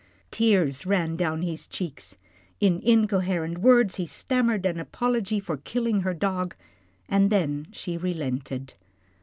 Tears ran down his cheeks in incoherent words he stammered an apology for killing her dog, and then she relented.